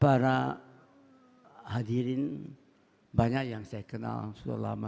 para hadirin banyak yang saya kenal sudah lama